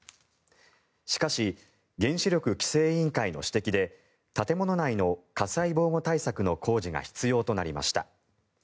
しかし原子力規制委員会の指摘で建物内の火災防護対策の工事が必要となりました。